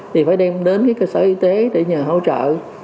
thì phải đem đến cơ sở y tế để nhờ hỗ trợ